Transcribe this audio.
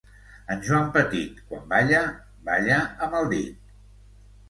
En Joan Petit quan balla, balla amb el dit.